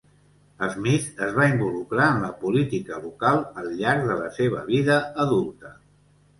Smith es va involucrar en la política local al llarg de la seva vida adulta.